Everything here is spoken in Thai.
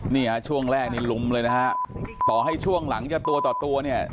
เนี่ยช่วงแรกนี่ลุมเลยนะฮะต่อให้ช่วงหลังจะตัวต่อตัวเนี่ย